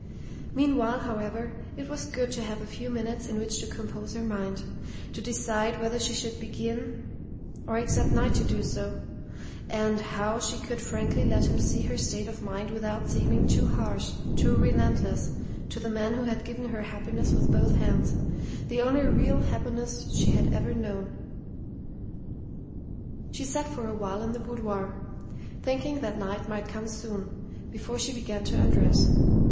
Meanwhile, however, it was good to have a few minutes in which to compose her mind, to decide whether she should begin, or expect Knight to do so; and how she could frankly let him see her state of mind without seeming too harsh, too relentless, to the man who had given her happiness with both hands the only real happiness she had ever known. She sat for a while in the boudoir, thinking that Knight might come soon, before she began to undress.